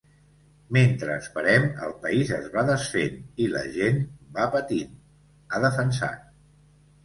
Mentre esperem, el país es va desfent i la gent va patint, ha defensat.